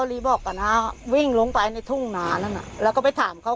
ลีบอกกับน้าวิ่งลงไปในทุ่งหนานั่นน่ะแล้วก็ไปถามเขา